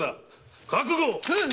覚悟！